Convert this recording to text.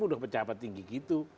udah pejabat tinggi gitu